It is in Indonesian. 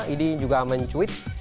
ini juga mencuit